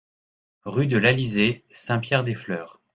Rue de l'Alizé, Saint-Pierre-des-Fleurs